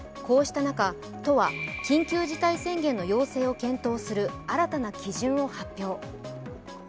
こうした中、都は緊急事態宣言の要請を検討する新たな基準を発表。